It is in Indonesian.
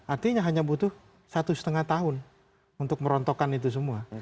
artinya hanya butuh satu setengah tahun untuk merontokkan itu semua